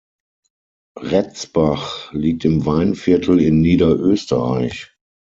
Retzbach liegt im Weinviertel in Niederösterreich.